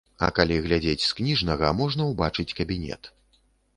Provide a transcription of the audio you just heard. А калі глядзець з кніжнага, можна ўбачыць кабінет.